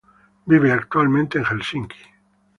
Vive actualmente en Helsinki.